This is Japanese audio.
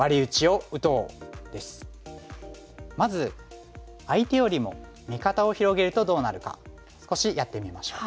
まず相手よりも味方を広げるとどうなるか少しやってみましょう。